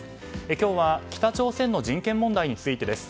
今日は北朝鮮の人権問題についてです。